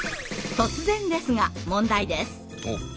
突然ですが問題です。